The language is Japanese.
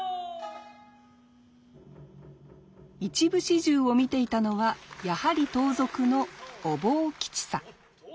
一部始終を見ていたのはやはり盗賊のお坊吉三。